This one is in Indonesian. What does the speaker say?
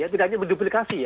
tidak hanya menduplikasi